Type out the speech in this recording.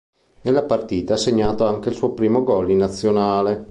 Nella partita ha segnato anche il suo primo gol in nazionale.